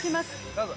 どうぞ。